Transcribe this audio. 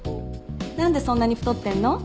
何でそんなに太ってんの？